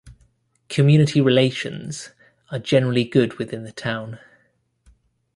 Community relations are generally good within the town.